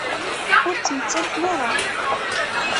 Ur ttmettaten ara.